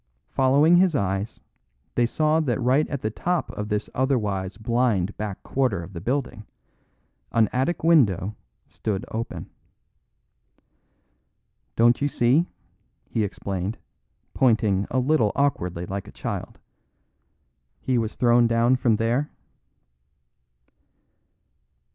Following his eyes, they saw that right at the top of this otherwise blind back quarter of the building, an attic window stood open. "Don't you see," he explained, pointing a little awkwardly like a child, "he was thrown down from there?"